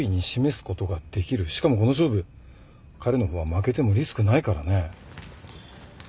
しかもこの勝負彼の方は負けてもリスクないからね。